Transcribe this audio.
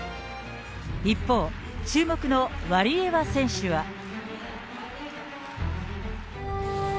一方、注目のワリエワ選手は。